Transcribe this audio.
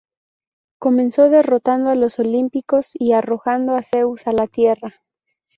Comenzó derrotando a los olímpicos y arrojando a Zeus a la Tierra.